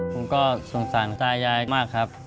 ผมก็สงสารตายายมากครับ